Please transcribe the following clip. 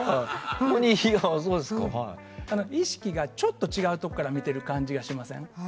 意識がちょっと違うところから見ている感じがしません？